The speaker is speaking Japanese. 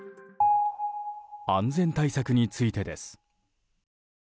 安全対策についてです。